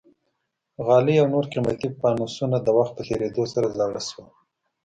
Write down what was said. غالۍ او نور قیمتي فانوسونه د وخت په تېرېدو سره زاړه شول.